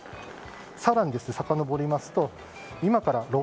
更にさかのぼりますと今から６００年